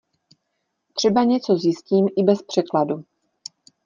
Třeba něco zjistím i bez překladu.